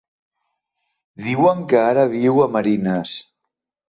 Diuen que ara viu a Marines.